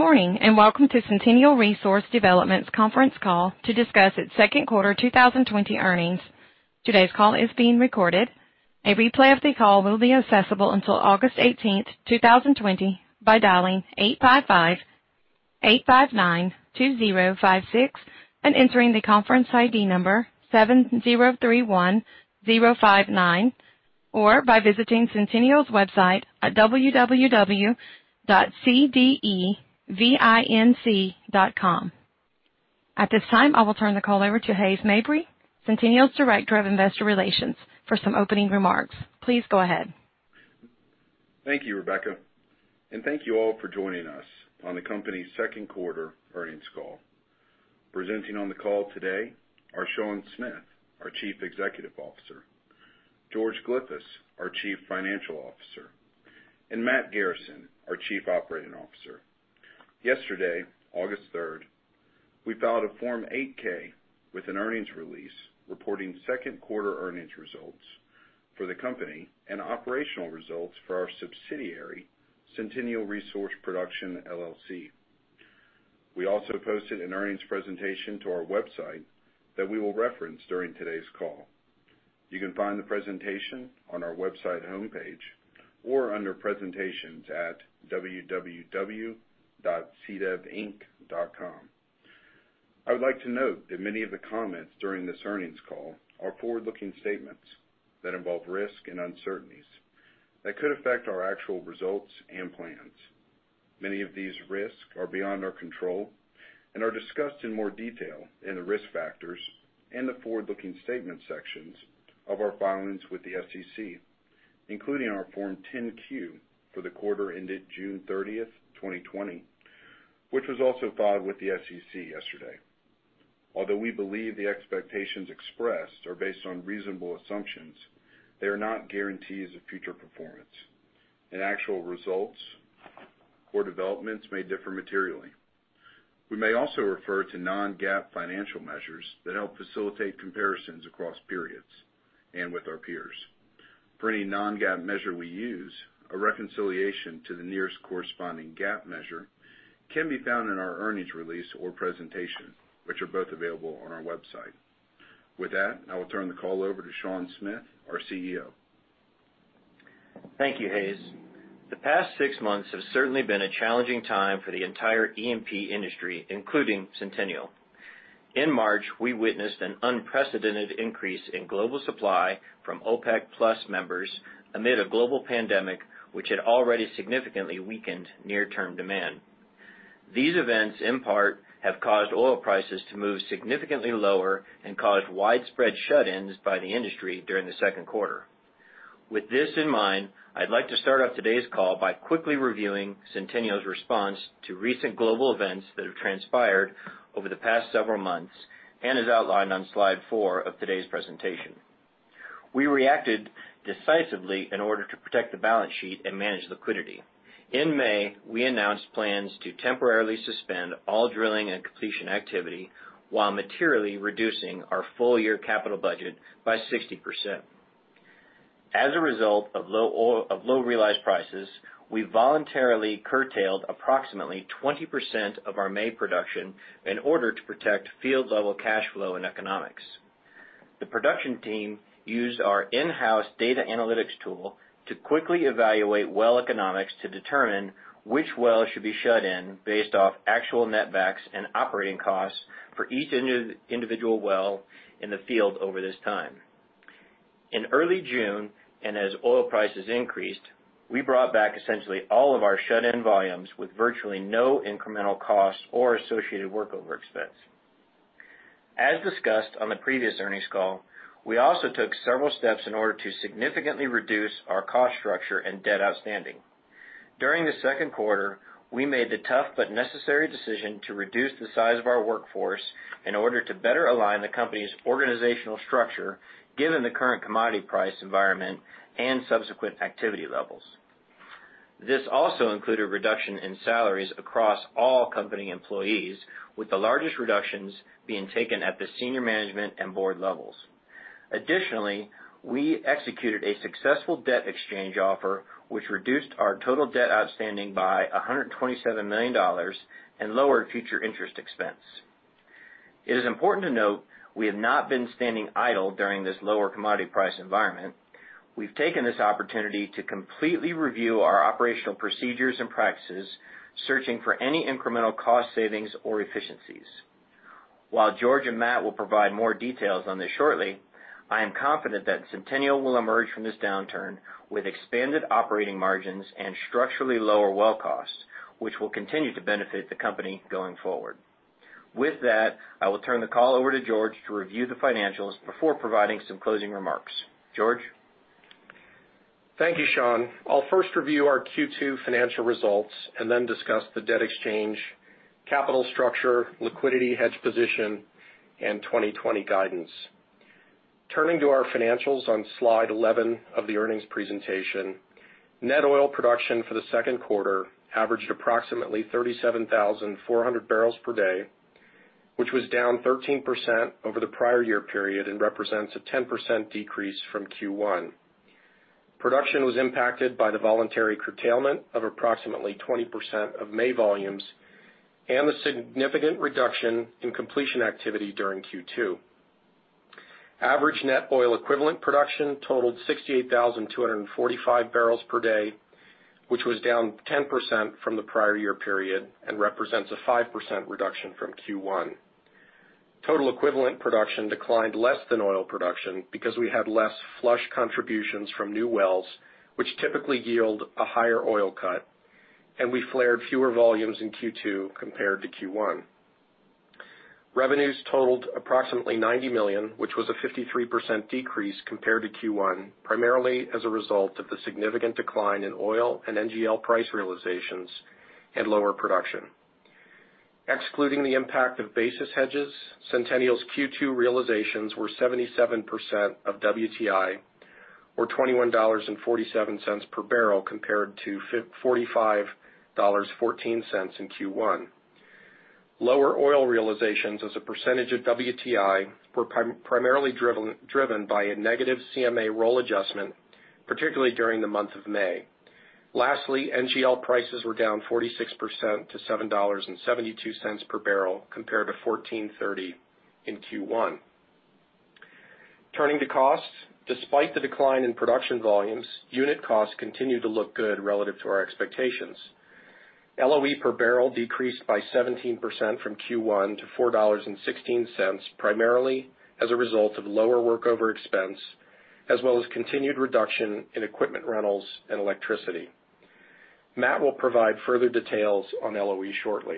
Good morning, and welcome to Centennial Resource Development's conference call to discuss its second quarter 2020 earnings. Today's call is being recorded. A replay of the call will be accessible until August 18th, 2020, by dialing 855-859-2056 and entering the conference ID number 7031059, or by visiting Centennial's website at www.cdevinc.com. At this time, I will turn the call over to Hays Mabry, Centennial's Director of Investor Relations, for some opening remarks. Please go ahead. Thank you, Rebecca. Thank you all for joining us on the company's second quarter earnings call. Presenting on the call today are Sean Smith, our Chief Executive Officer, George Glyphis, our Chief Financial Officer, and Matt Garrison, our Chief Operating Officer. Yesterday, August 3rd, we filed a Form 8-K with an earnings release reporting second quarter earnings results for the company and operational results for our subsidiary, Centennial Resource Production, LLC. We also posted an earnings presentation to our website that we will reference during today's call. You can find the presentation on our website homepage or under presentations at www.cdevinc.com. I would like to note that many of the comments during this earnings call are forward-looking statements that involve risk and uncertainties that could affect our actual results and plans. Many of these risks are beyond our control and are discussed in more detail in the risk factors and the forward-looking statement sections of our filings with the SEC, including our Form 10-Q for the quarter ended June 30th, 2020, which was also filed with the SEC yesterday. Although we believe the expectations expressed are based on reasonable assumptions, they are not guarantees of future performance, and actual results or developments may differ materially. We may also refer to non-GAAP financial measures that help facilitate comparisons across periods and with our peers. For any non-GAAP measure we use, a reconciliation to the nearest corresponding GAAP measure can be found in our earnings release or presentation, which are both available on our website. With that, I will turn the call over to Sean Smith, our CEO. Thank you, Hays. The past six months have certainly been a challenging time for the entire E&P industry, including Centennial. In March, we witnessed an unprecedented increase in global supply from OPEC+ members amid a global pandemic, which had already significantly weakened near-term demand. These events, in part, have caused oil prices to move significantly lower and caused widespread shut-ins by the industry during the second quarter. With this in mind, I'd like to start off today's call by quickly reviewing Centennial's response to recent global events that have transpired over the past several months and as outlined on slide four of today's presentation. We reacted decisively in order to protect the balance sheet and manage liquidity. In May, we announced plans to temporarily suspend all drilling and completion activity while materially reducing our full-year capital budget by 60%. As a result of low realized prices, we voluntarily curtailed approximately 20% of our May production in order to protect field-level cash flow and economics. The production team used our in-house data analytics tool to quickly evaluate well economics to determine which well should be shut in based off actual netbacks and operating costs for each individual well in the field over this time. In early June, as oil prices increased, we brought back essentially all of our shut-in volumes with virtually no incremental costs or associated workover expense. As discussed on the previous earnings call, we also took several steps in order to significantly reduce our cost structure and debt outstanding. During the second quarter, we made the tough but necessary decision to reduce the size of our workforce in order to better align the company's organizational structure, given the current commodity price environment and subsequent activity levels. This also included a reduction in salaries across all company employees, with the largest reductions being taken at the senior management and board levels. Additionally, we executed a successful debt exchange offer, which reduced our total debt outstanding by $127 million and lowered future interest expense. It is important to note we have not been standing idle during this lower commodity price environment. We've taken this opportunity to completely review our operational procedures and practices, searching for any incremental cost savings or efficiencies. While George and Matt will provide more details on this shortly, I am confident that Centennial will emerge from this downturn with expanded operating margins and structurally lower well costs, which will continue to benefit the company going forward. With that, I will turn the call over to George to review the financials before providing some closing remarks. George? Thank you, Sean. I'll first review our Q2 financial results and then discuss the debt exchange, capital structure, liquidity hedge position, and 2020 guidance. Turning to our financials on slide 11 of the earnings presentation, net oil production for the second quarter averaged approximately 37,400 barrels per day, which was down 13% over the prior year period and represents a 10% decrease from Q1. Production was impacted by the voluntary curtailment of approximately 20% of May volumes and the significant reduction in completion activity during Q2. Average net oil equivalent production totaled 68,245 barrels per day, which was down 10% from the prior year period and represents a 5% reduction from Q1. Total equivalent production declined less than oil production because we had less flush contributions from new wells, which typically yield a higher oil cut, and we flared fewer volumes in Q2 compared to Q1. Revenues totaled approximately $90 million, which was a 53% decrease compared to Q1, primarily as a result of the significant decline in oil and NGL price realizations and lower production. Excluding the impact of basis hedges, Centennial's Q2 realizations were 77% of WTI, or $21.47 per barrel, compared to $45.14 in Q1. Lower oil realizations as a percentage of WTI were primarily driven by a negative CMA roll adjustment, particularly during the month of May. NGL prices were down 46% to $7.72 per barrel compared to $14.30 in Q1. Turning to costs, despite the decline in production volumes, unit costs continue to look good relative to our expectations. LOE per barrel decreased by 17% from Q1 to $4.16, primarily as a result of lower workover expense, as well as continued reduction in equipment rentals and electricity. Matt will provide further details on LOE shortly.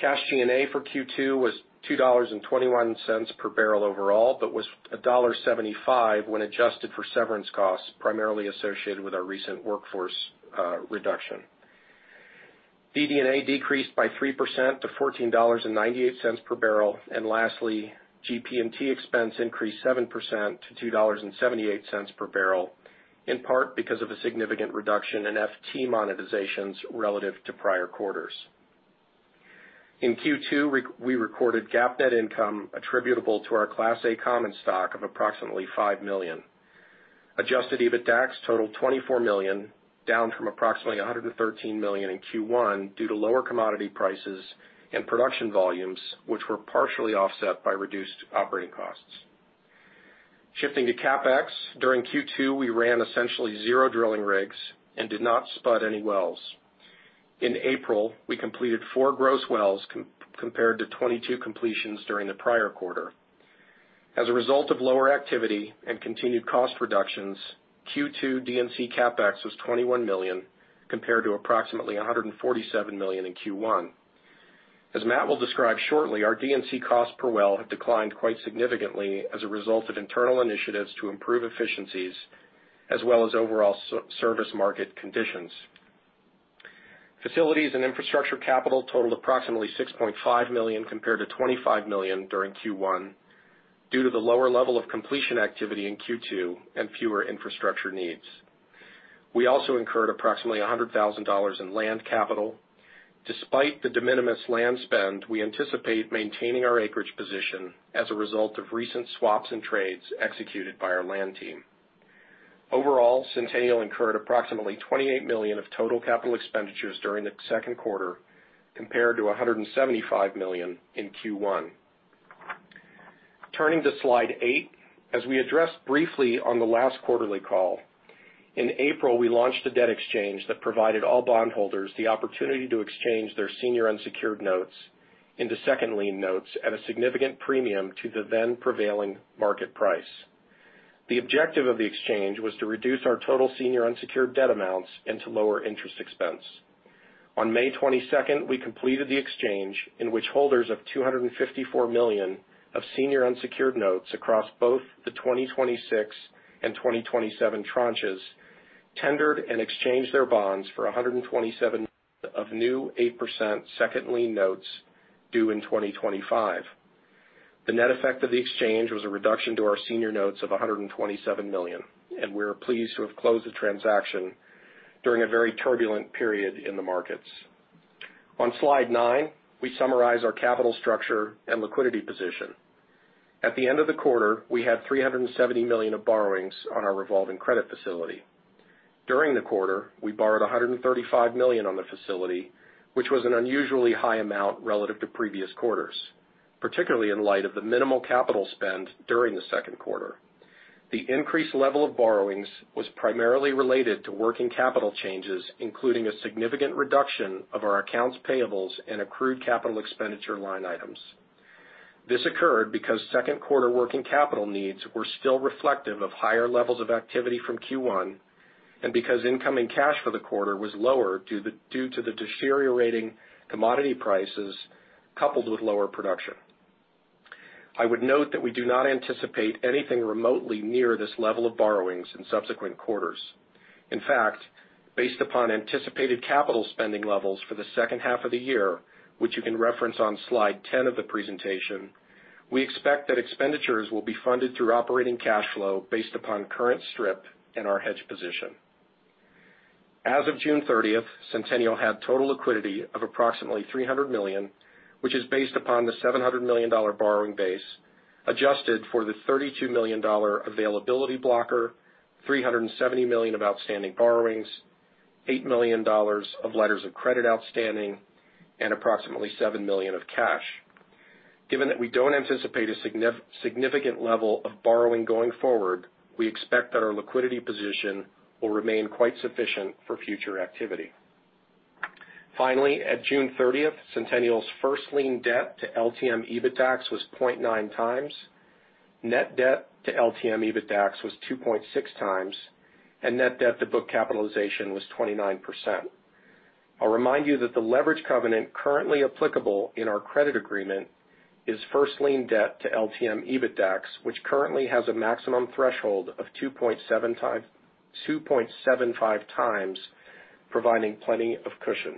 Cash G&A for Q2 was $2.21 per barrel overall, was $1.75 when adjusted for severance costs primarily associated with our recent workforce reduction. DD&A decreased by 3% to $14.98 per barrel. Lastly, GP&T expense increased 7% to $2.78 per barrel, in part because of a significant reduction in FT monetizations relative to prior quarters. In Q2, we recorded GAAP net income attributable to our Class A common stock of approximately $5 million. Adjusted EBITDA totaled $24 million, down from approximately $113 million in Q1 due to lower commodity prices and production volumes, which were partially offset by reduced operating costs. Shifting to CapEx, during Q2, we ran essentially zero drilling rigs and did not spud any wells. In April, we completed four gross wells compared to 22 completions during the prior quarter. As a result of lower activity and continued cost reductions, Q2 D&C CapEx was $21 million, compared to approximately $147 million in Q1. As Matt will describe shortly, our D&C cost per well have declined quite significantly as a result of internal initiatives to improve efficiencies as well as overall service market conditions. Facilities and infrastructure capital totaled approximately $6.5 million, compared to $25 million during Q1, due to the lower level of completion activity in Q2 and fewer infrastructure needs. We also incurred approximately $100,000 in land capital. Despite the de minimis land spend, we anticipate maintaining our acreage position as a result of recent swaps and trades executed by our land team. Overall, Centennial incurred approximately $28 million of total capital expenditures during the second quarter, compared to $175 million in Q1. Turning to slide eight, as we addressed briefly on the last quarterly call, in April, we launched a debt exchange that provided all bondholders the opportunity to exchange their senior unsecured notes into second lien notes at a significant premium to the then prevailing market price. The objective of the exchange was to reduce our total senior unsecured debt amounts and to lower interest expense. On May 22nd, we completed the exchange in which holders of $254 million of senior unsecured notes across both the 2026 and 2027 tranches tendered and exchanged their bonds for $127 million of new 8% second lien notes due in 2025. The net effect of the exchange was a reduction to our senior notes of $127 million, and we are pleased to have closed the transaction during a very turbulent period in the markets. On slide nine, we summarize our capital structure and liquidity position. At the end of the quarter, we had $370 million of borrowings on our revolving credit facility. During the quarter, we borrowed $135 million on the facility, which was an unusually high amount relative to previous quarters, particularly in light of the minimal capital spend during the second quarter. The increased level of borrowings was primarily related to working capital changes, including a significant reduction of our accounts payables and accrued capital expenditure line items. This occurred because second quarter working capital needs were still reflective of higher levels of activity from Q1, and because incoming cash for the quarter was lower due to the deteriorating commodity prices coupled with lower production. I would note that we do not anticipate anything remotely near this level of borrowings in subsequent quarters. In fact, based upon anticipated capital spending levels for the second half of the year, which you can reference on slide 10 of the presentation, we expect that expenditures will be funded through operating cash flow based upon current strip and our hedge position. As of June 30th, Centennial had total liquidity of approximately $300 million, which is based upon the $700 million borrowing base, adjusted for the $32 million availability blocker, $370 million of outstanding borrowings, $8 million of letters of credit outstanding, and approximately $7 million of cash. Given that we don't anticipate a significant level of borrowing going forward, we expect that our liquidity position will remain quite sufficient for future activity. Finally, at June 30th, Centennial's first lien debt to LTM EBITDAX was 0.9x. Net debt to LTM EBITDAX was 2.6x, and net debt to book capitalization was 29%. I'll remind you that the leverage covenant currently applicable in our credit agreement is first lien debt to LTM EBITDAX, which currently has a maximum threshold of 2.75x, providing plenty of cushion.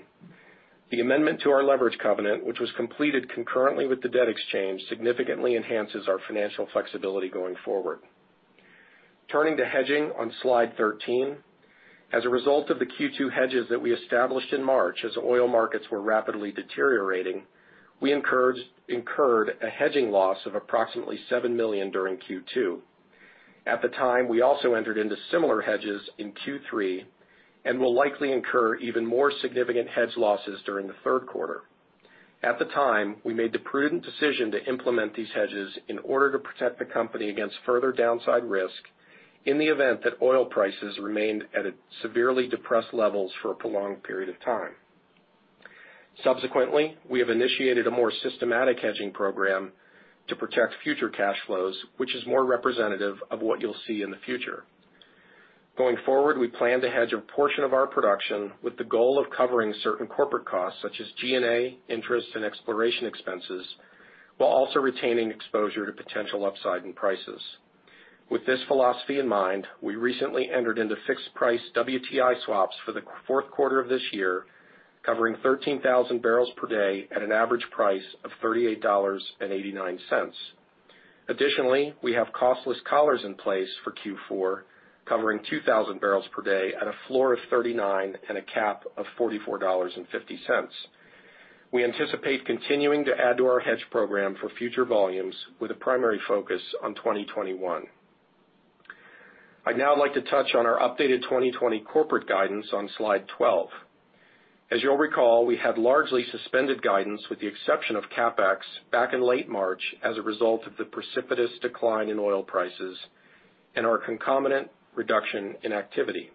The amendment to our leverage covenant, which was completed concurrently with the debt exchange, significantly enhances our financial flexibility going forward. Turning to hedging on slide 13. As a result of the Q2 hedges that we established in March as oil markets were rapidly deteriorating, we incurred a hedging loss of approximately $7 million during Q2. At the time, we also entered into similar hedges in Q3, and will likely incur even more significant hedge losses during the third quarter. At the time, we made the prudent decision to implement these hedges in order to protect the company against further downside risk in the event that oil prices remained at severely depressed levels for a prolonged period of time. Subsequently, we have initiated a more systematic hedging program to protect future cash flows, which is more representative of what you'll see in the future. Going forward, we plan to hedge a portion of our production with the goal of covering certain corporate costs such as G&A, interest, and exploration expenses, while also retaining exposure to potential upside in prices. With this philosophy in mind, we recently entered into fixed price WTI swaps for the fourth quarter of this year, covering 13,000 barrels per day at an average price of $38.89. Additionally, we have costless collars in place for Q4, covering 2,000 barrels per day at a floor of $39 and a cap of $44.50. We anticipate continuing to add to our hedge program for future volumes with a primary focus on 2021. I'd now like to touch on our updated 2020 corporate guidance on Slide 12. As you'll recall, we had largely suspended guidance, with the exception of CapEx, back in late March as a result of the precipitous decline in oil prices and our concomitant reduction in activity.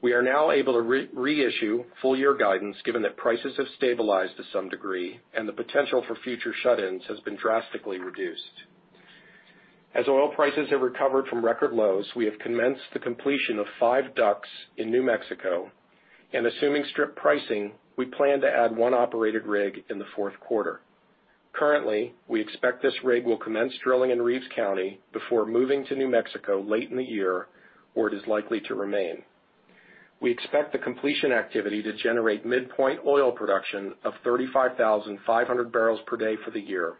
We are now able to reissue full year guidance given that prices have stabilized to some degree and the potential for future shut-ins has been drastically reduced. As oil prices have recovered from record lows, we have commenced the completion of five DUCs in New Mexico, and assuming strip pricing, we plan to add one operated rig in the fourth quarter. Currently, we expect this rig will commence drilling in Reeves County before moving to New Mexico late in the year, where it is likely to remain. We expect the completion activity to generate midpoint oil production of 35,500 barrels per day for the year.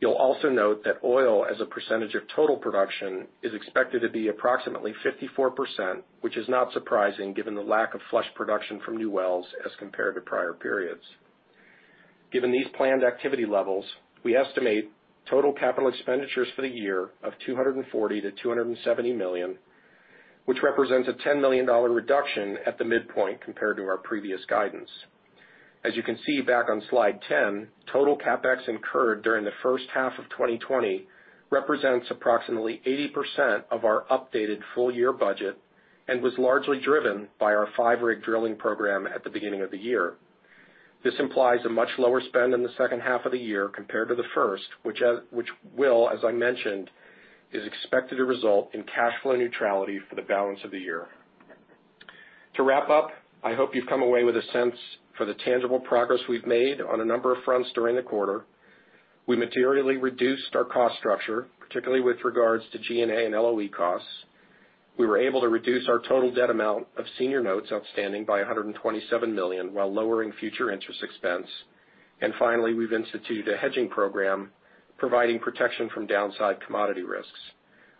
You'll also note that oil as a percentage of total production is expected to be approximately 54%, which is not surprising given the lack of flush production from new wells as compared to prior periods. Given these planned activity levels, we estimate total capital expenditures for the year of $240 million-$270 million, which represents a $10 million reduction at the midpoint compared to our previous guidance. As you can see back on slide 10, total CapEx incurred during the first half of 2020 represents approximately 80% of our updated full year budget and was largely driven by our five-rig drilling program at the beginning of the year. This implies a much lower spend in the second half of the year compared to the first, which, as I mentioned, is expected to result in cash flow neutrality for the balance of the year. To wrap up, I hope you've come away with a sense for the tangible progress we've made on a number of fronts during the quarter. We materially reduced our cost structure, particularly with regards to G&A and LOE costs. We were able to reduce our total debt amount of senior notes outstanding by $127 million while lowering future interest expense. Finally, we've instituted a hedging program providing protection from downside commodity risks.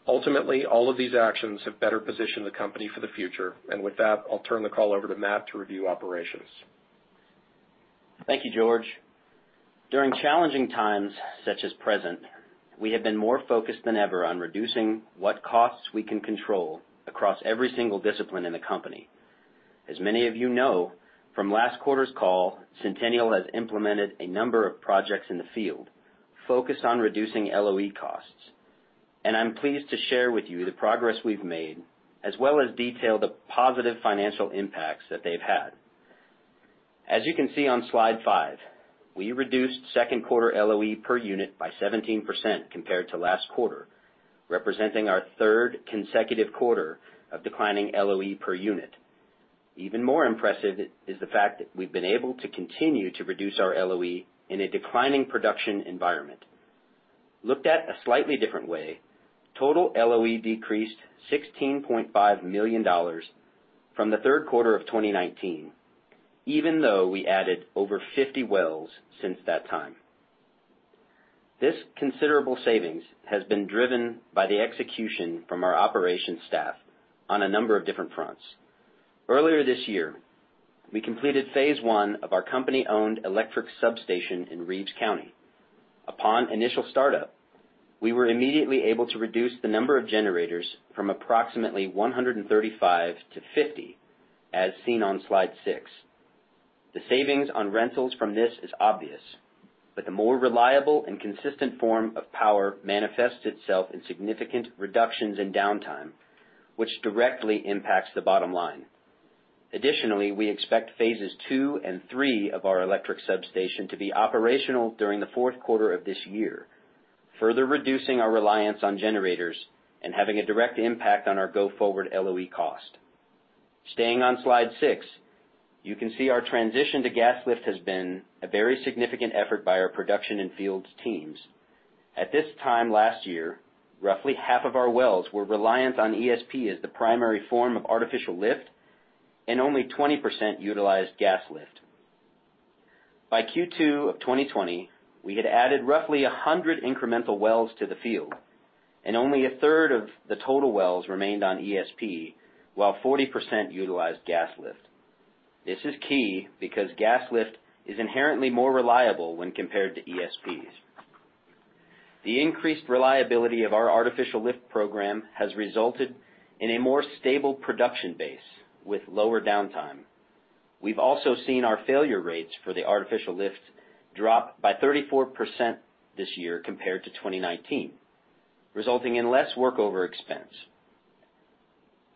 Ultimately, all of these actions have better positioned the company for the future. With that, I'll turn the call over to Matt to review operations. Thank you, George. During challenging times such as present, we have been more focused than ever on reducing what costs we can control across every single discipline in the company. As many of you know from last quarter's call, Centennial has implemented a number of projects in the field focused on reducing LOE costs. I'm pleased to share with you the progress we've made, as well as detail the positive financial impacts that they've had. As you can see on slide five, we reduced second quarter LOE per unit by 17% compared to last quarter, representing our third consecutive quarter of declining LOE per unit. Even more impressive is the fact that we've been able to continue to reduce our LOE in a declining production environment. Looked at a slightly different way, total LOE decreased $16.5 million from the third quarter of 2019, even though we added over 50 wells since that time. This considerable savings has been driven by the execution from our operations staff on a number of different fronts. Earlier this year, we completed phase 1 of our company-owned electric substation in Reeves County. Upon initial startup, we were immediately able to reduce the number of generators from approximately 135 to 50, as seen on slide six. The savings on rentals from this is obvious, but the more reliable and consistent form of power manifests itself in significant reductions in downtime, which directly impacts the bottom line. Additionally, we expect phases 2 and 3 of our electric substation to be operational during the fourth quarter of this year, further reducing our reliance on generators and having a direct impact on our go-forward LOE cost. Staying on slide six, you can see our transition to gas lift has been a very significant effort by our production and fields teams. At this time last year, roughly half of our wells were reliant on ESP as the primary form of artificial lift, and only 20% utilized gas lift. By Q2 of 2020, we had added roughly 100 incremental wells to the field, and only a third of the total wells remained on ESP, while 40% utilized gas lift. This is key because gas lift is inherently more reliable when compared to ESPs. The increased reliability of our artificial lift program has resulted in a more stable production base with lower downtime. We've also seen our failure rates for the artificial lift drop by 34% this year compared to 2019, resulting in less workover expense.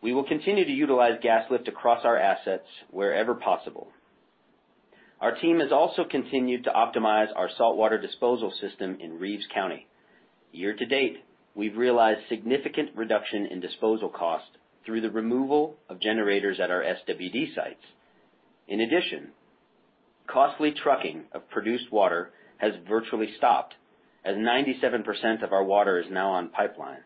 We will continue to utilize gas lift across our assets wherever possible. Our team has also continued to optimize our saltwater disposal system in Reeves County. Year to date, we've realized significant reduction in disposal cost through the removal of generators at our SWD sites. In addition, costly trucking of produced water has virtually stopped, as 97% of our water is now on pipeline.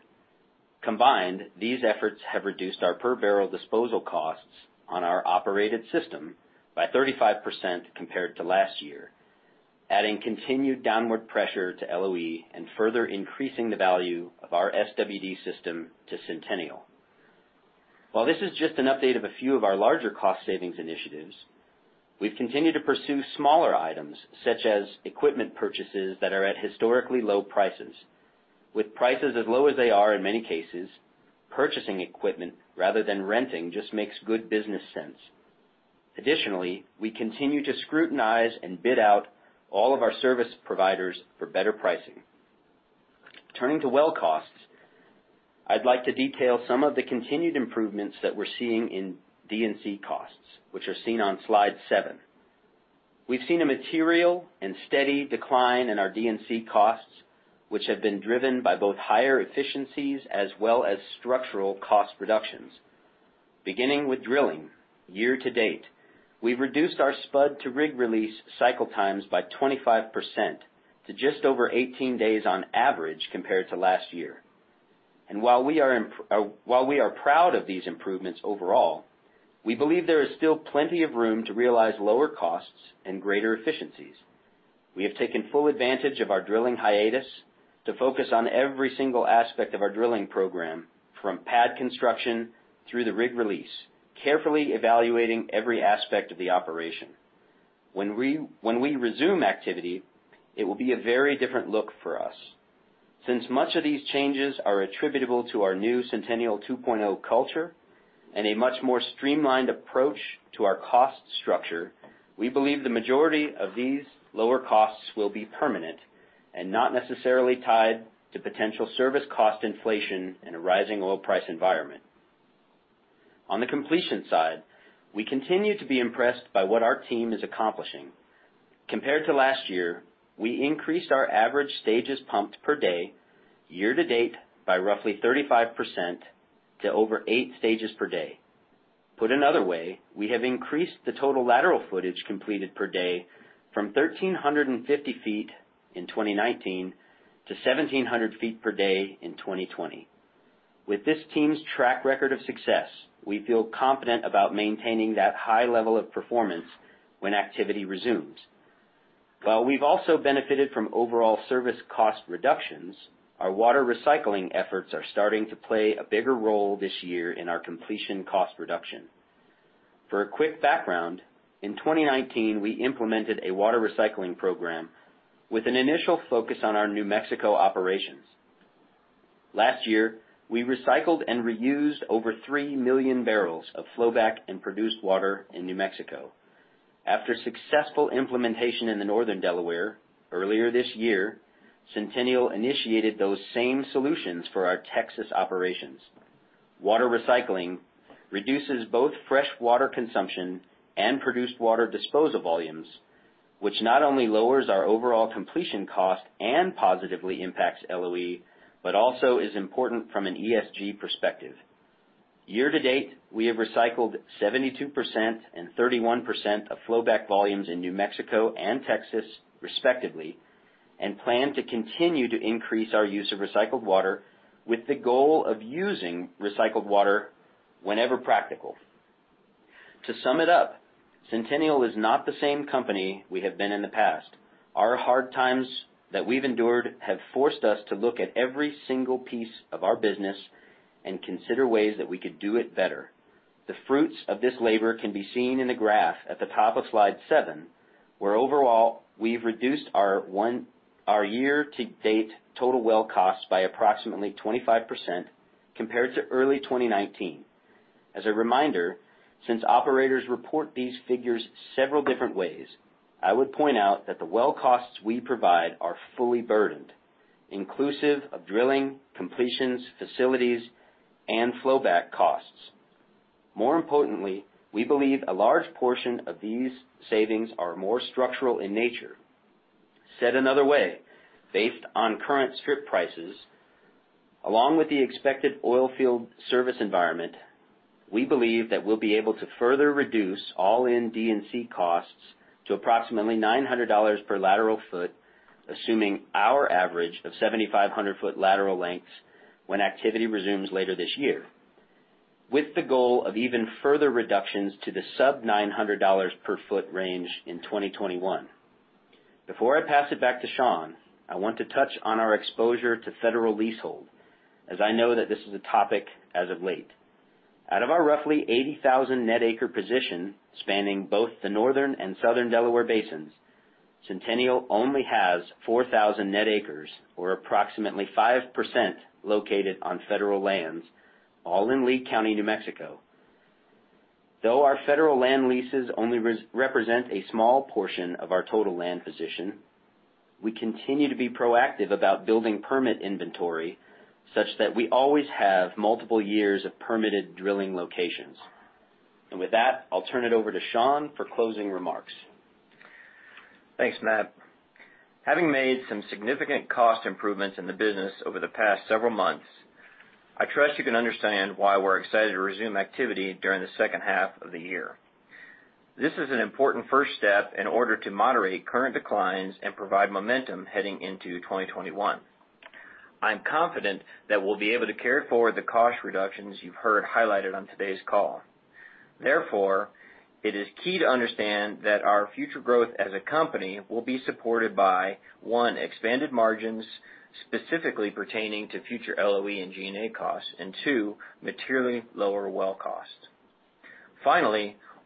Combined, these efforts have reduced our per-barrel disposal costs on our operated system by 35% compared to last year, adding continued downward pressure to LOE and further increasing the value of our SWD system to Centennial. This is just an update of a few of our larger cost-savings initiatives, we've continued to pursue smaller items, such as equipment purchases that are at historically low prices. With prices as low as they are in many cases, purchasing equipment rather than renting just makes good business sense. Additionally, we continue to scrutinize and bid out all of our service providers for better pricing. Turning to well costs, I'd like to detail some of the continued improvements that we're seeing in D&C costs, which are seen on slide seven. We've seen a material and steady decline in our D&C costs, which have been driven by both higher efficiencies as well as structural cost reductions. Beginning with drilling, year to date, we've reduced our spud-to-rig release cycle times by 25% to just over 18 days on average compared to last year. While we are proud of these improvements overall, we believe there is still plenty of room to realize lower costs and greater efficiencies. We have taken full advantage of our drilling hiatus to focus on every single aspect of our drilling program, from pad construction through the rig release, carefully evaluating every aspect of the operation. When we resume activity, it will be a very different look for us. Since much of these changes are attributable to our new Centennial 2.0 culture and a much more streamlined approach to our cost structure, we believe the majority of these lower costs will be permanent and not necessarily tied to potential service cost inflation in a rising oil price environment. On the completion side, we continue to be impressed by what our team is accomplishing. Compared to last year, we increased our average stages pumped per day year to date by roughly 35% to over 8 stages per day. Put another way, we have increased the total lateral footage completed per day from 1,350 feet in 2019 to 1,700 feet per day in 2020. With this team's track record of success, we feel confident about maintaining that high level of performance when activity resumes. While we've also benefited from overall service cost reductions, our water recycling efforts are starting to play a bigger role this year in our completion cost reduction. For a quick background, in 2019, we implemented a water recycling program with an initial focus on our New Mexico operations. Last year, we recycled and reused over 3 million barrels of flow back in produced water in New Mexico. After successful implementation in the northern Delaware earlier this year, Centennial initiated those same solutions for our Texas operations. Water recycling reduces both fresh water consumption and produced water disposal volumes, which not only lowers our overall completion cost and positively impacts LOE, but also is important from an ESG perspective. Year to date, we have recycled 72% and 31% of flow back volumes in New Mexico and Texas, respectively, and plan to continue to increase our use of recycled water with the goal of using recycled water whenever practical. To sum it up, Centennial is not the same company we have been in the past. Our hard times that we've endured have forced us to look at every single piece of our business and consider ways that we could do it better. The fruits of this labor can be seen in the graph at the top of slide seven, where overall, we've reduced our year-to-date total well cost by approximately 25% compared to early 2019. As a reminder, since operators report these figures several different ways, I would point out that the well costs we provide are fully burdened, inclusive of drilling, completions, facilities, and flow back costs. More importantly, we believe a large portion of these savings are more structural in nature. Said another way, based on current strip prices, along with the expected oil field service environment, we believe that we'll be able to further reduce all-in D&C costs to approximately $900 per lateral foot, assuming our average of 7,500 foot lateral lengths when activity resumes later this year. With the goal of even further reductions to the sub-$900 per foot range in 2021. Before I pass it back to Sean, I want to touch on our exposure to federal leasehold, as I know that this is a topic as of late. Out of our roughly 80,000 net acre position spanning both the northern and southern Delaware basins, Centennial only has 4,000 net acres or approximately 5% located on federal lands, all in Lea County, New Mexico. Though our federal land leases only represent a small portion of our total land position, we continue to be proactive about building permit inventory such that we always have multiple years of permitted drilling locations. With that, I'll turn it over to Sean for closing remarks. Thanks, Matt. Having made some significant cost improvements in the business over the past several months, I trust you can understand why we're excited to resume activity during the second half of the year. This is an important first step in order to moderate current declines and provide momentum heading into 2021. I'm confident that we'll be able to carry forward the cost reductions you've heard highlighted on today's call. It is key to understand that our future growth as a company will be supported by, one, expanded margins, specifically pertaining to future LOE and G&A costs, and two, materially lower well costs.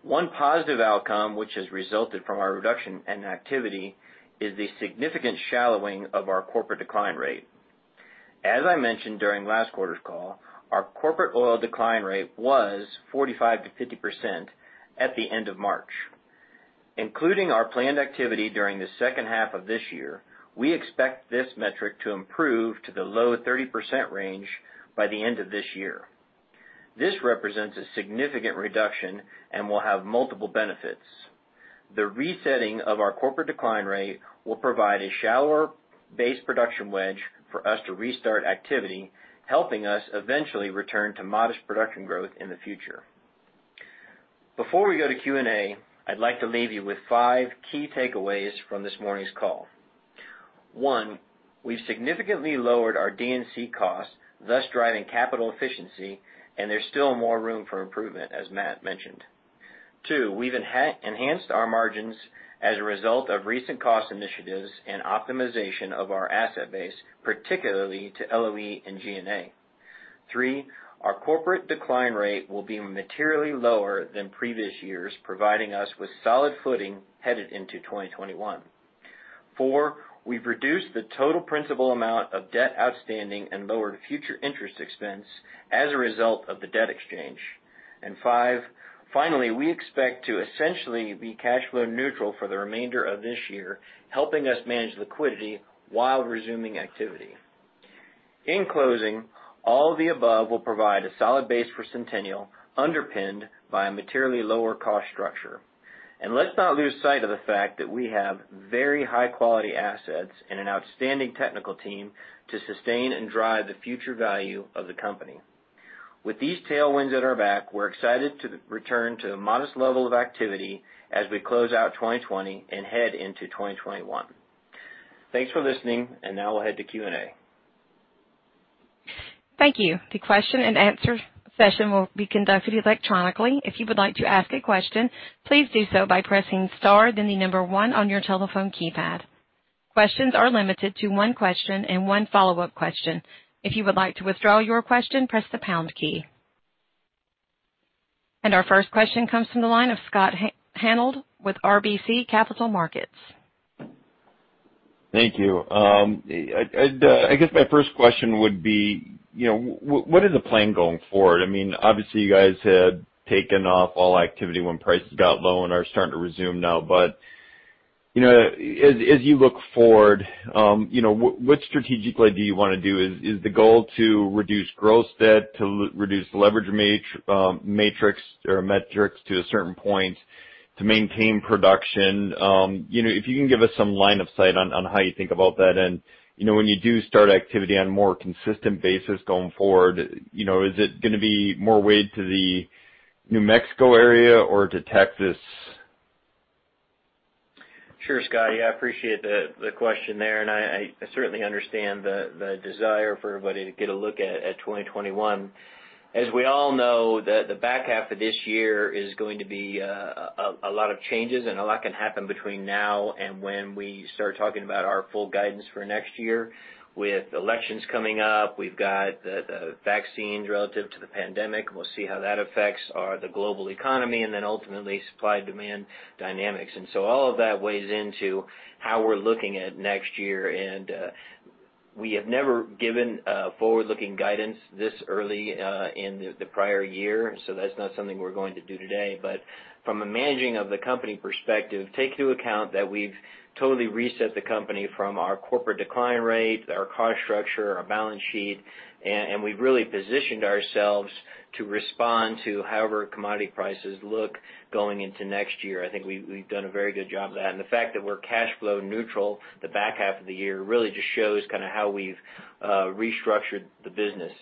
One positive outcome which has resulted from our reduction in activity is the significant shallowing of our corporate decline rate. As I mentioned during last quarter's call, our corporate oil decline rate was 45%-50% at the end of March. Including our planned activity during the second half of this year, we expect this metric to improve to the low 30% range by the end of this year. This represents a significant reduction and will have multiple benefits. The resetting of our corporate decline rate will provide a shallower base production wedge for us to restart activity, helping us eventually return to modest production growth in the future. Before we go to Q&A, I'd like to leave you with five key takeaways from this morning's call. One, we've significantly lowered our D&C costs, thus driving capital efficiency, and there's still more room for improvement, as Matt mentioned. Two, we've enhanced our margins as a result of recent cost initiatives and optimization of our asset base, particularly to LOE and G&A. Three, our corporate decline rate will be materially lower than previous years, providing us with solid footing headed into 2021. Four, we've reduced the total principal amount of debt outstanding and lowered future interest expense as a result of the debt exchange. Five, finally, we expect to essentially be cash flow neutral for the remainder of this year, helping us manage liquidity while resuming activity. In closing, all of the above will provide a solid base for Centennial, underpinned by a materially lower cost structure. Let's not lose sight of the fact that we have very high-quality assets and an outstanding technical team to sustain and drive the future value of the company. With these tailwinds at our back, we're excited to return to a modest level of activity as we close out 2020 and head into 2021. Thanks for listening, and now we'll head to Q&A. Thank you. The question and answer session will be conducted electronically. If you would like to ask a question, please do so by pressing star then the number one on your telephone keypad. Questions are limited to one question and one follow-up question. If you would like to withdraw your question, press the pound key. Our first question comes from the line of Scott Hanold with RBC Capital Markets. Thank you. I guess my first question would be, what is the plan going forward? Obviously, you guys had taken off all activity when prices got low and are starting to resume now but, as you look forward, what strategic lead do you want to do? Is the goal to reduce gross debt, to reduce leverage metrics to a certain point to maintain production? If you can give us some line of sight on how you think about that and, when you do start activity on a more consistent basis going forward, is it going to be more weighed to the New Mexico area or to Texas? Sure, Scott. I appreciate the question there, and I certainly understand the desire for everybody to get a look at 2021. As we all know, the back half of this year is going to be a lot of changes, and a lot can happen between now and when we start talking about our full guidance for next year. With elections coming up, we've got the vaccines relative to the pandemic. We'll see how that affects the global economy, and then ultimately supply-demand dynamics. All of that weighs into how we're looking at next year. We have never given forward-looking guidance this early in the prior year, so that's not something we're going to do today. From a managing of the company perspective, take into account that we've totally reset the company from our corporate decline rate, our cost structure, our balance sheet, and we've really positioned ourselves to respond to however commodity prices look going into next year. I think we've done a very good job of that. The fact that we're cash flow neutral the back half of the year really just shows how we've restructured the business.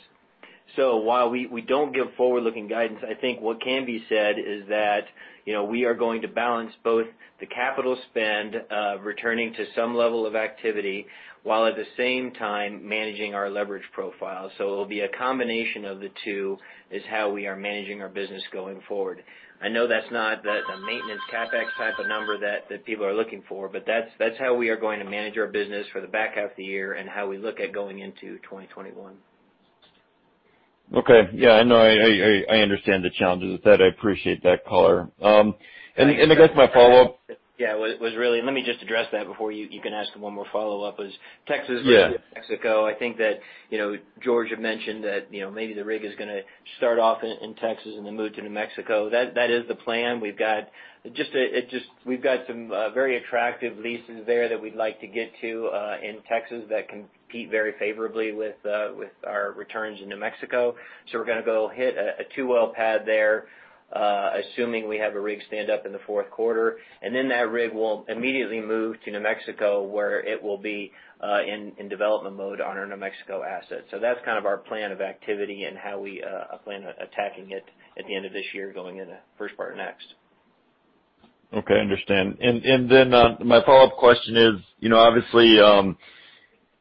While we don't give forward-looking guidance, I think what can be said is that we are going to balance both the capital spend, returning to some level of activity, while at the same time managing our leverage profile. It will be a combination of the two is how we are managing our business going forward. I know that's not the maintenance CapEx type of number that people are looking for, but that's how we are going to manage our business for the back half of the year and how we look at going into 2021. Okay. Yeah, I know. I understand the challenges with that. I appreciate that color. I guess my follow-up- Yeah. Let me just address that before you can ask one more follow-up. Yeah versus New Mexico. I think that George had mentioned that maybe the rig is going to start off in Texas and then move to New Mexico. That is the plan. We've got some very attractive leases there that we'd like to get to in Texas that compete very favorably with our returns in New Mexico. We're going to go hit a two-well pad there, assuming we have a rig stand up in the fourth quarter, and then that rig will immediately move to New Mexico, where it will be in development mode on our New Mexico asset. That's our plan of activity and how we plan on attacking it at the end of this year, going into first part of next. Okay, understand. My follow-up question is, obviously,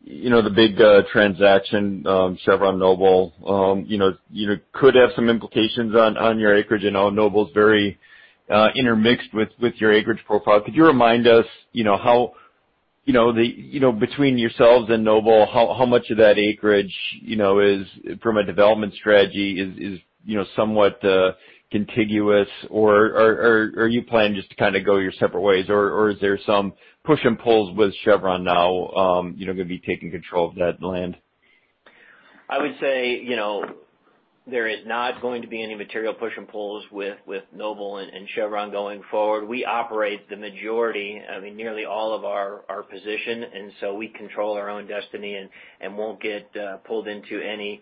the big transaction, Chevron, Noble could have some implications on your acreage. I know Noble's very intermixed with your acreage profile. Could you remind us how, between yourselves and Noble, how much of that acreage, from a development strategy is somewhat contiguous? Are you planning just to go your separate ways, or is there some push and pulls with Chevron now going to be taking control of that land? I would say, there is not going to be any material push and pulls with Noble and Chevron going forward. We operate the majority, nearly all of our position, we control our own destiny and won't get pulled into any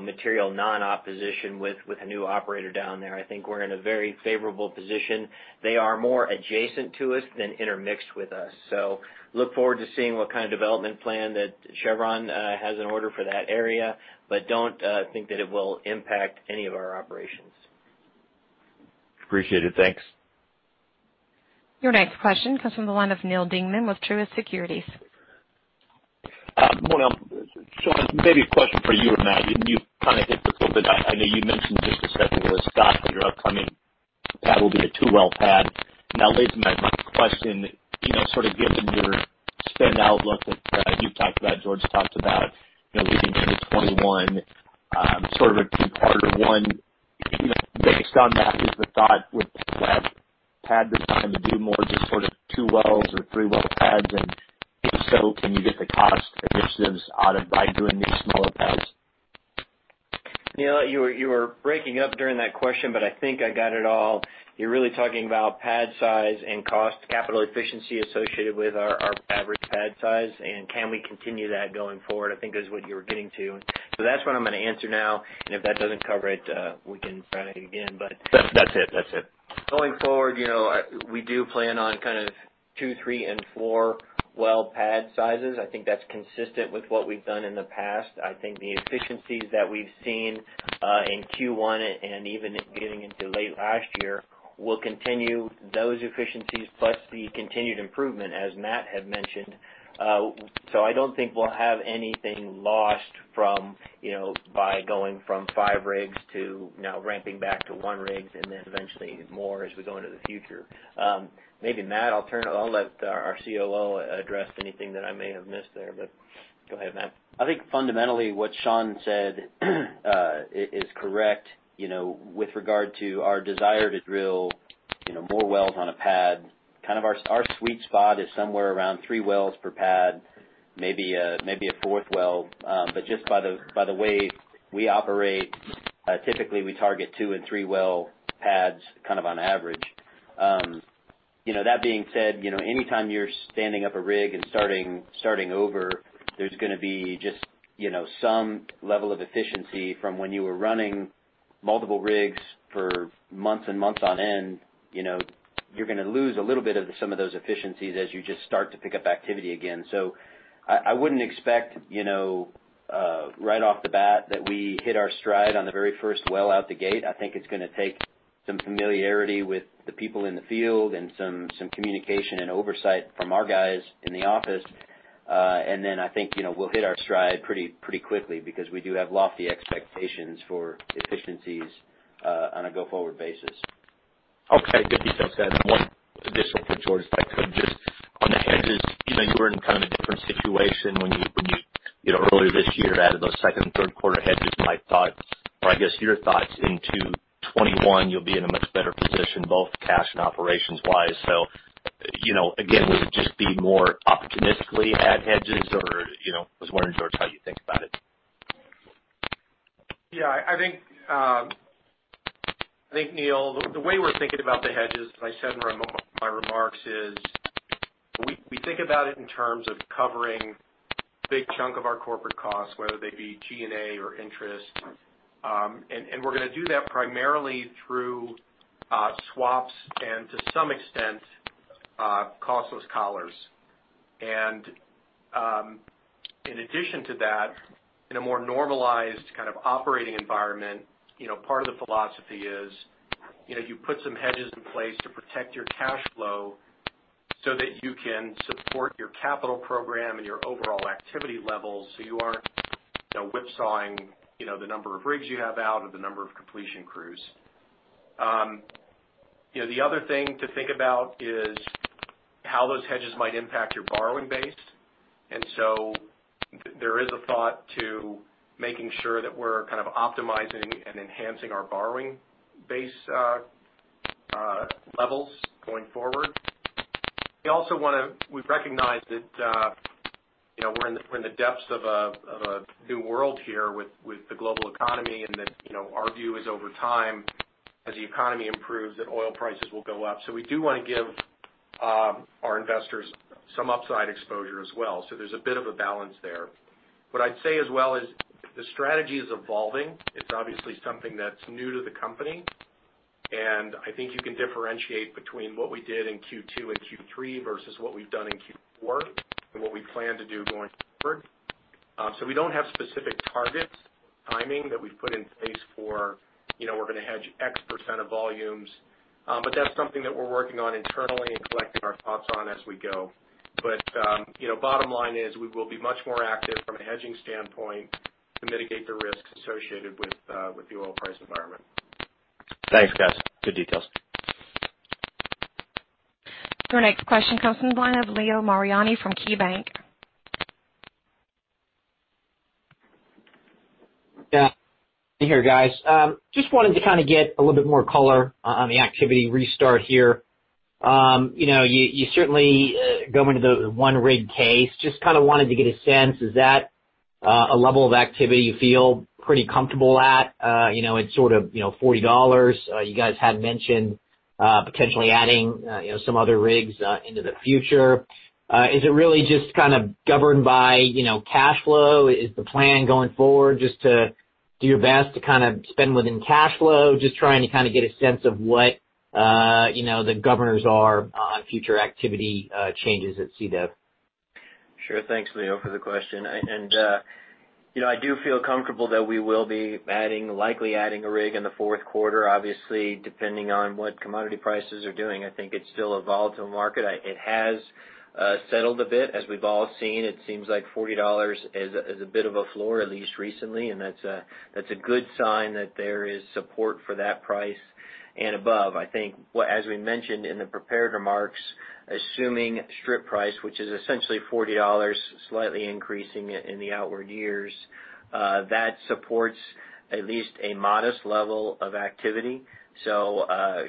material non-op position with a new operator down there. I think we're in a very favorable position. They are more adjacent to us than intermixed with us. Look forward to seeing what kind of development plan that Chevron has in order for that area, don't think that it will impact any of our operations. Appreciate it. Thanks. Your next question comes from the line of Neal Dingmann with Truist Securities. Morning. Sean, maybe a question for you or Matt. You hit this a little bit. I know you mentioned just a second ago, Scott, that your upcoming pad will be a two-well pad. Relating that, my question, given your spend outlook that you talked about, George talked about leading into 2021, a two-parter. One, based on that, is the thought with pad design to do more just two wells or three-well pads, and if so, can you get the cost efficiencies out of by doing these smaller pads? Neal, you were breaking up during that question. I think I got it all. You're really talking about pad size and cost, capital efficiency associated with our average pad size, and can we continue that going forward, I think is what you were getting to. That's what I'm going to answer now, and if that doesn't cover it, we can try it again. That's it. going forward, we do plan on two, three, and four-well pad sizes. I think that's consistent with what we've done in the past. I think the efficiencies that we've seen in Q1 and even getting into late last year will continue those efficiencies plus the continued improvement, as Matt had mentioned. So I don't think we'll have anything lost by going from five rigs to now ramping back to one rigs, and then eventually more as we go into the future. Maybe Matt, I'll let our COO address anything that I may have missed there, but go ahead, Matt. I think fundamentally what Sean said is correct with regard to our desire to drill more wells on a pad. Our sweet spot is somewhere around three wells per pad, maybe a fourth well. Just by the way we operate, typically we target two and three-well pads on average. That being said, anytime you're standing up a rig and starting over, there's going to be just some level of efficiency from when you were running multiple rigs for months and months on end. You're going to lose a little bit of some of those efficiencies as you just start to pick up activity again. I wouldn't expect Right off the bat that we hit our stride on the very first well out the gate. I think it's going to take some familiarity with the people in the field and some communication and oversight from our guys in the office. I think we'll hit our stride pretty quickly because we do have lofty expectations for efficiencies on a go-forward basis. Okay. Good details, guys. One additional for George, if I could just on the hedges, you were in kind of a different situation when you, earlier this year added those second and third quarter hedges, and I thought, or I guess your thoughts into 2021, you'll be in a much better position, both cash and operations wise. Again, would it just be more opportunistically add hedges or, just wondering, George, how you think about it? Yeah, I think, Neal, the way we're thinking about the hedges, as I said in my remarks, is we think about it in terms of covering a big chunk of our corporate costs, whether they be G&A or interest. We're going to do that primarily through swaps and to some extent, costless collars. In addition to that, in a more normalized kind of operating environment, part of the philosophy is you put some hedges in place to protect your cash flow so that you can support your capital program and your overall activity levels, so you aren't whipsawing the number of rigs you have out or the number of completion crews. The other thing to think about is how those hedges might impact your borrowing base. There is a thought to making sure that we're kind of optimizing and enhancing our borrowing base levels going forward. We recognize that we're in the depths of a new world here with the global economy, and that our view is over time as the economy improves, that oil prices will go up. We do want to give our investors some upside exposure as well. There's a bit of a balance there. What I'd say as well is the strategy is evolving. It's obviously something that's new to the company, and I think you can differentiate between what we did in Q2 and Q3 versus what we've done in Q4 and what we plan to do going forward. We don't have specific targets, timing that we've put in place for we're going to hedge X% of volumes. That's something that we're working on internally and collecting our thoughts on as we go. Bottom line is we will be much more active from a hedging standpoint to mitigate the risks associated with the oil price environment. Thanks, guys. Good details. Your next question comes from the line of Leo Mariani from KeyBanc. Yeah. Hey, guys. Just wanted to kind of get a little bit more color on the activity restart here. You certainly go into the one-rig case. Just kind of wanted to get a sense, is that a level of activity you feel pretty comfortable at? It's sort of $40. You guys had mentioned potentially adding some other rigs into the future. Is it really just kind of governed by cash flow? Is the plan going forward just to do your best to kind of spend within cash flow? Just trying to kind of get a sense of what the governors are on future activity changes at CDEV. Sure. Thanks, Leo, for the question. I do feel comfortable that we will be likely adding a rig in the fourth quarter, obviously, depending on what commodity prices are doing. I think it's still a volatile market. It has settled a bit as we've all seen. It seems like $40 is a bit of a floor, at least recently, and that's a good sign that there is support for that price and above. I think, as we mentioned in the prepared remarks, assuming strip price, which is essentially $40, slightly increasing it in the outward years, that supports at least a modest level of activity.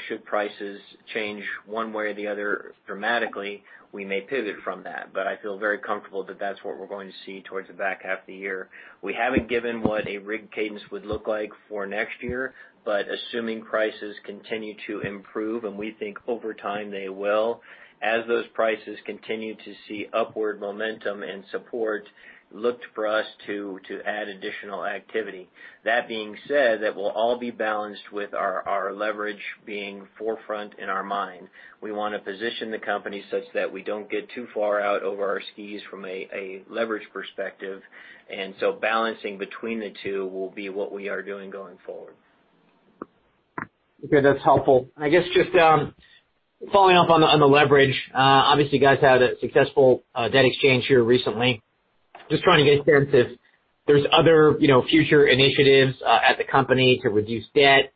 Should prices change one way or the other dramatically, we may pivot from that. I feel very comfortable that that's what we're going to see towards the back half of the year. We haven't given what a rig cadence would look like for next year, assuming prices continue to improve, and we think over time they will, as those prices continue to see upward momentum and support look for us to add additional activity. That being said, that will all be balanced with our leverage being forefront in our mind. We want to position the company such that we don't get too far out over our skis from a leverage perspective, balancing between the two will be what we are doing going forward. Okay. That's helpful. I guess just following up on the leverage. Obviously, you guys had a successful debt exchange here recently. Just trying to get a sense if there's other future initiatives at the company to reduce debt.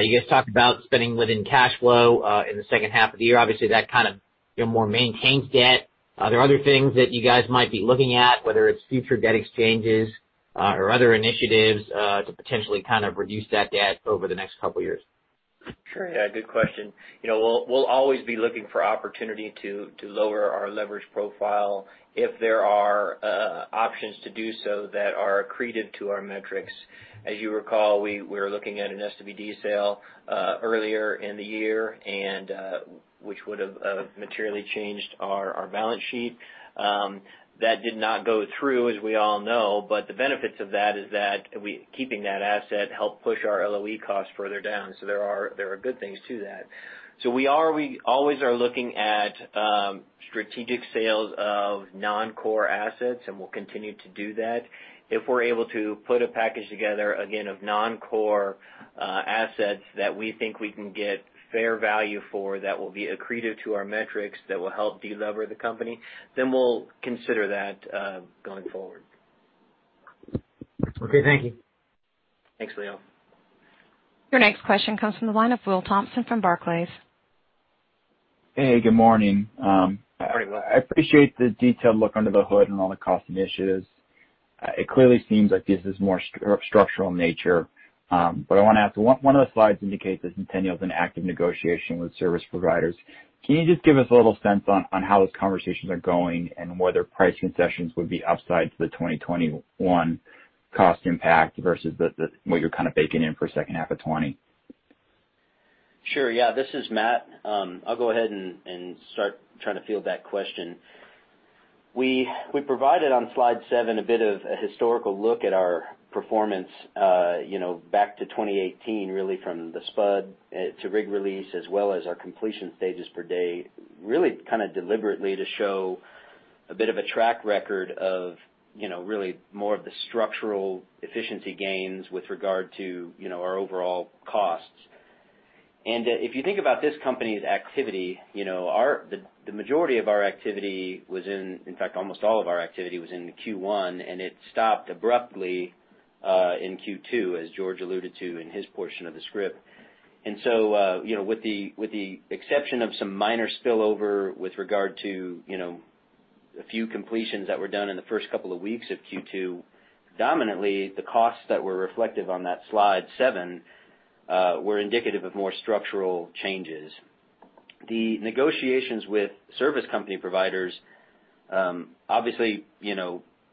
You guys talked about spending within cash flow in the second half of the year. Obviously, that kind of more maintains debt. Are there other things that you guys might be looking at, whether it's future debt exchanges or other initiatives to potentially kind of reduce that debt over the next couple of years? Sure. Yeah, good question. We'll always be looking for opportunity to lower our leverage profile if there are options to do so that are accretive to our metrics. As you recall, we were looking at an SWD sale earlier in the year, which would have materially changed our balance sheet. That did not go through, as we all know. The benefits of that is that keeping that asset helped push our LOE cost further down. There are good things to that. We always are looking at strategic sales of non-core assets, and we'll continue to do that. If we're able to put a package together, again, of non-core assets that we think we can get fair value for that will be accretive to our metrics, that will help de-lever the company, we'll consider that going forward. Okay. Thank you. Thanks, Leo. Your next question comes from the line of Will Thompson from Barclays. Hey, good morning. I appreciate the detailed look under the hood and all the cost initiatives. It clearly seems like this is more structural nature. I want to ask, one of the slides indicates that Centennial is an active negotiation with service providers. Can you just give us a little sense on how those conversations are going and whether price concessions would be upside to the 2021 cost impact versus what you're kind of baking in for second half of 2020? Sure. Yeah. This is Matt. I'll go ahead and start trying to field that question. We provided on slide seven a bit of a historical look at our performance back to 2018, really from the spud to rig release, as well as our completion stages per day. Really kind of deliberately to show a bit of a track record of really more of the structural efficiency gains with regard to our overall costs. If you think about this company's activity, the majority of our activity was in fact, almost all of our activity was in Q1, and it stopped abruptly in Q2, as George alluded to in his portion of the script. With the exception of some minor spillover with regard to a few completions that were done in the first couple of weeks of Q2, dominantly, the costs that were reflective on that slide seven were indicative of more structural changes. The negotiations with service company providers, obviously,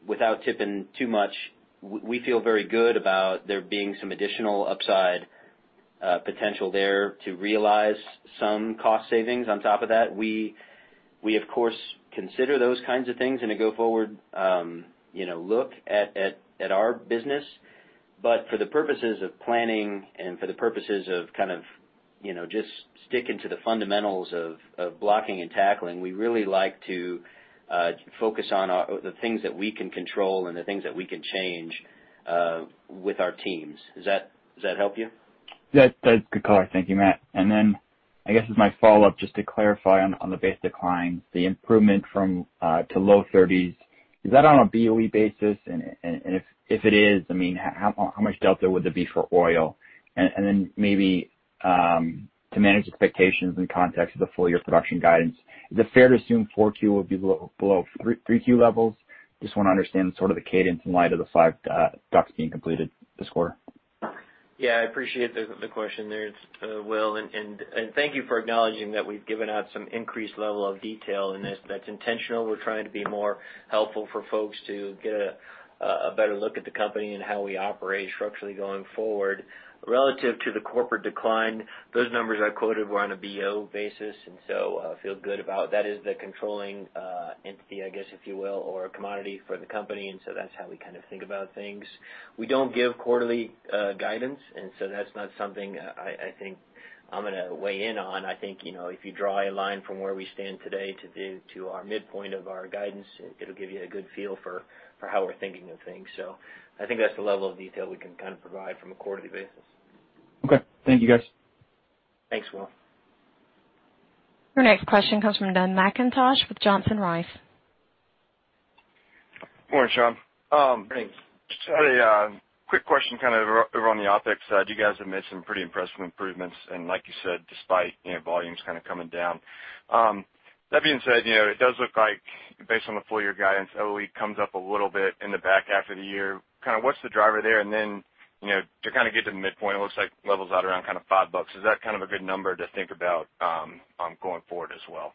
without tipping too much, we feel very good about there being some additional upside potential there to realize some cost savings on top of that. We, of course, consider those kinds of things in a go-forward look at our business. For the purposes of planning and for the purposes of kind of just sticking to the fundamentals of blocking and tackling, we really like to focus on the things that we can control and the things that we can change with our teams. Does that help you? That's a good call. Thank you, Matt. I guess as my follow-up, just to clarify on the base decline, the improvement to low 30s, is that on a BOE basis? If it is, how much delta would there be for oil? Maybe to manage expectations in context of the full-year production guidance, is it fair to assume 4Q will be below 3Q levels? Just want to understand sort of the cadence in light of the 5 DUCs being completed this quarter. I appreciate the question there, Will, thank you for acknowledging that we've given out some increased level of detail in this. That's intentional. We're trying to be more helpful for folks to get a better look at the company and how we operate structurally going forward. Relative to the corporate decline, those numbers I quoted were on a BO basis, I feel good about that is the controlling entity, I guess, if you will, or a commodity for the company. That's how we kind of think about things. We don't give quarterly guidance, that's not something I think I'm going to weigh in on. I think if you draw a line from where we stand today to our midpoint of our guidance, it'll give you a good feel for how we're thinking of things. I think that's the level of detail we can kind of provide from a quarterly basis, Okay. Thank you, guys. Thanks, Will. Your next question comes from Dun McIntosh with Johnson Rice. Morning, Sean. Morning. Just had a quick question kind of over on the OpEx side. You guys have made some pretty impressive improvements and like you said, despite volumes kind of coming down. That being said, it does look like based on the full year guidance, LOE comes up a little bit in the back half of the year. What's the driver there? Then to kind of get to the midpoint, it looks like levels out around kind of $5. Is that kind of a good number to think about going forward as well?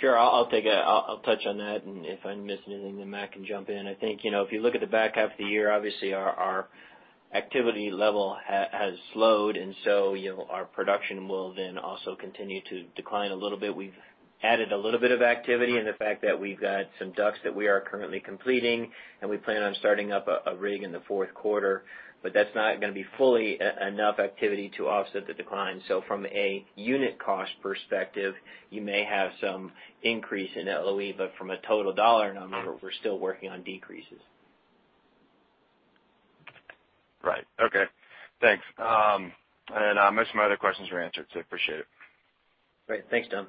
Sure. I'll touch on that, and if I miss anything, then Matt can jump in. I think if you look at the back half of the year, obviously our activity level has slowed, our production will then also continue to decline a little bit. We've added a little bit of activity in the fact that we've got some DUCs that we are currently completing, and we plan on starting up a rig in the fourth quarter. That's not going to be fully enough activity to offset the decline. From a unit cost perspective, you may have some increase in LOE, but from a total dollar number, we're still working on decreases. Right. Okay. Thanks. Most of my other questions were answered, so appreciate it. Great. Thanks, Dun.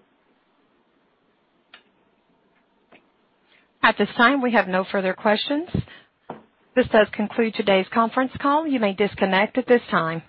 At this time, we have no further questions. This does conclude today's conference call. You may disconnect at this time.